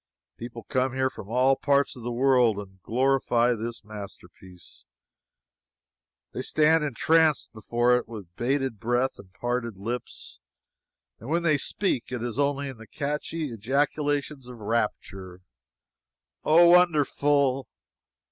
People come here from all parts of the world, and glorify this masterpiece. They stand entranced before it with bated breath and parted lips, and when they speak, it is only in the catchy ejaculations of rapture: "Oh, wonderful!"